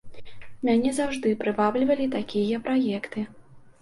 Мяне заўжды прываблівалі такія праекты.